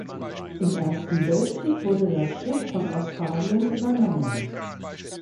Im Ersten Weltkrieg wurde das Schiff von Australien übernommen.